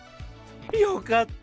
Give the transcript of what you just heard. よかった！